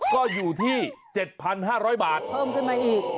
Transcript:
ก็อยู่ที่๗๕๐๐บาทเพิ่มขึ้นมาอีก